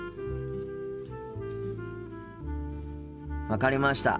分かりました。